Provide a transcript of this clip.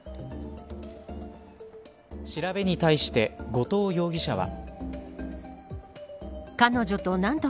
調べに対して、後藤容疑者は。